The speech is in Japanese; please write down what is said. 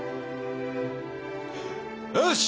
よし！